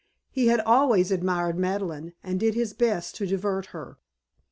He had always admired Madeleine and did his best to divert her.